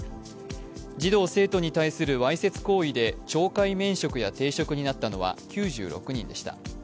児童・生徒に対するわいせつ行為で懲戒免職や停職になったのは９６人でした。